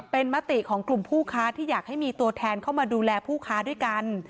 เป็นมติของกลุ่มผู้ค้าที่อยากให้มีตัวแทนเข้ามาดูแลผู้ค้าด้วยกัน